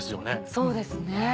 そうですね。